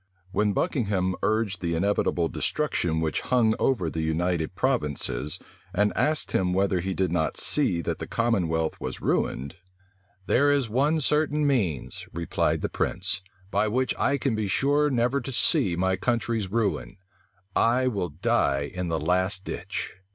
When Buckingham urged the inevitable destruction which hung over the United Provinces, and asked him whether he did not see that the commonwealth was ruined, "There is one certain means," replied the prince, "by which I can be sure never to see my country's ruin: I will die in the last ditch."